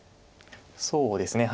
そうですね。